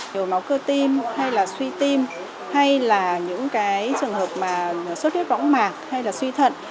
hiểu máu cơ tim hay là suy tim hay là những cái trường hợp mà xuất hiếp rõng mạc hay là suy thận